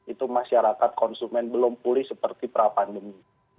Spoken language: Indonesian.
itu masyarakat konsumen belum pulih seperti pra pandemi